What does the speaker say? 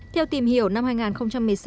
theo tìm hiểu năm hai nghìn một mươi sáu